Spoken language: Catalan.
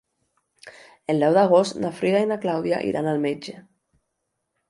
El deu d'agost na Frida i na Clàudia iran al metge.